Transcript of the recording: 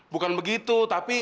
bukan begitu tapi